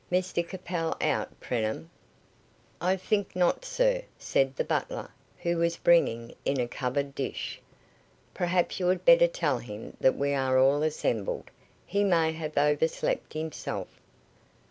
Mr Capel out, Preenham?" "I think not, sir," said the butler, who was bringing in a covered dish. "Perhaps you had better tell him that we are all assembled. He may have overslept himself."